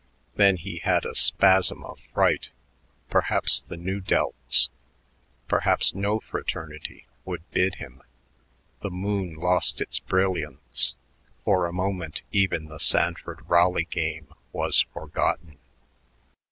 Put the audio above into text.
Then he had a spasm of fright. Perhaps the Nu Delts perhaps no fraternity would bid him. The moon lost its brilliance; for a moment even the Sanford Raleigh game was forgotten.